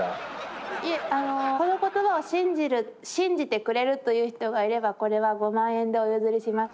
いえこの言葉を信じる信じてくれるという人がいればこれは５万円でお譲りします。